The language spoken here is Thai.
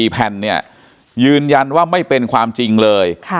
๔แผ่นเนี่ยยืนยันว่าไม่เป็นความจริงเลย